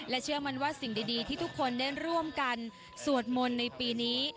เชื่อมันว่าสิ่งดีที่ทุกคนได้ร่วมกันสวดมนต์ในปีนี้